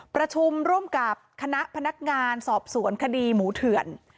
ประชุมร่วมกับคณะพนักงานสอบสวนคดีหมูเถื่อน